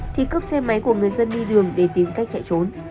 thì cướp xe máy của người dân đi đường để tìm cách chạy trốn